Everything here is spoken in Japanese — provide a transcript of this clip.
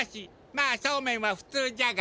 まあそうめんはふつうじゃが。